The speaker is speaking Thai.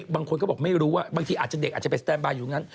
บางคนก็บอกไม่รู้ว่าบางทีอาจจะเด็กอาจจะไปสแตนบายอยู่ตรงนั้น